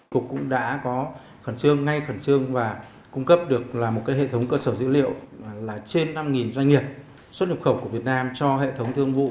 cục cũng đã có khẩn trương ngay khẩn trương và cung cấp được là một hệ thống cơ sở dữ liệu là trên năm doanh nghiệp xuất nhập khẩu của việt nam cho hệ thống thương vụ